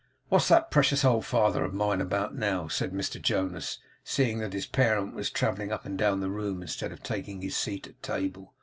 'What's that precious old father of mine about now?' said Mr Jonas, seeing that his parent was travelling up and down the room instead of taking his seat at table.